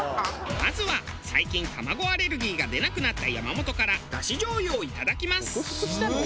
まずは最近卵アレルギーが出なくなった山本からだし醤油をいただきます。